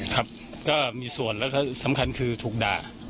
ครับก็มีส่วนแล้วก็สำคัญคือถูกด่า